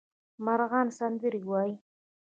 مرغان سندرې وايي